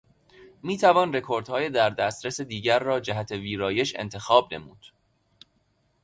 می توان رکوردهای در دسترس دیگر را جهت ویرایش انتخاب نمود.